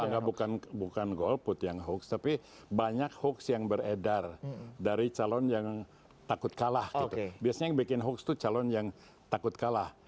karena bukan golput yang hoax tapi banyak hoax yang beredar dari calon yang takut kalah gitu biasanya yang bikin hoax itu calon yang takut kalah